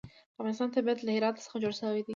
د افغانستان طبیعت له هرات څخه جوړ شوی دی.